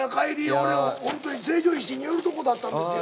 俺ほんとに「成城石井」に寄るとこだったんですよ。